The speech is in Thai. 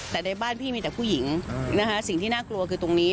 แต่ในบ้านพี่มีแต่ผู้หญิงนะคะสิ่งที่น่ากลัวคือตรงนี้